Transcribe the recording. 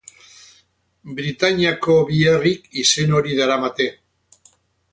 Bretainiako bi herrik izen hori daramate.